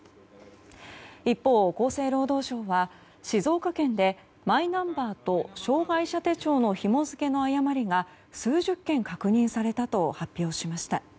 一方、厚生労働省は静岡県でマイナンバーと障害者手帳のひも付けの誤りが数十件確認されたと発表しました。